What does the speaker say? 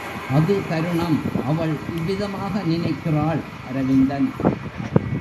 அது தருணம், அவள் இவ்விதமாக நினைக்கிறாள் அரவிந்தன்!